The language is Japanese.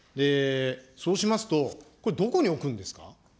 そうしますと、これ、どこに置くんですか。